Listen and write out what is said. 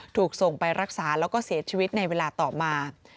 ถูกส่งไปรักษาแล้วก็เสียชีวิตในเวลาต่อมา